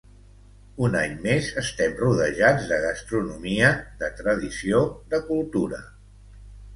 Un any més estem rodejats de gastronomia, de tradició, de cultura.